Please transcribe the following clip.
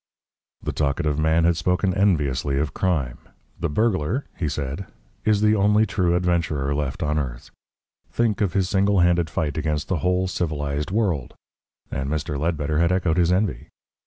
The talkative man had spoken enviously of crime. "The burglar," he said, "is the only true adventurer left on earth. Think of his single handed fight against the whole civilised world!" And Mr. Ledbetter had echoed his envy.